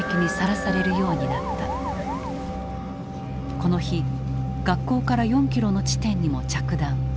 この日学校から４キロの地点にも着弾。